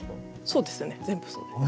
そうですね全部そうです。